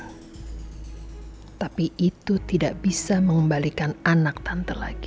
tapi itu tidak bisa mengembalikan anak tante lagi